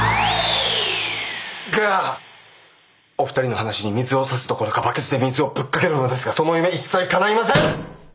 がお二人の話に水を差すどころかバケツで水をぶっかけるのですがその夢一切かないません！